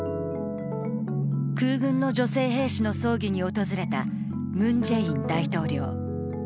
空軍の女性兵士の葬儀に訪れたムン・ジェイン大統領。